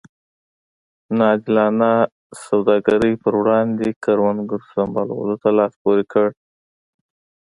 نا عادلانه سوداګرۍ پر وړاندې کروندګرو سمبالولو لاس پورې کړ.